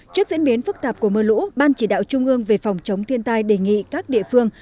trước diễn biến phức tạp của mưa lũ ban chỉ đạo trung ương về phòng chống thiên tai đề nghị các địa phương